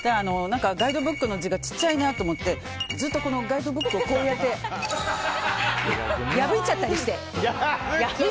ガイドブックの字が小さいなと思ってずっと、ガイドブックをこうやって破いちゃったりして！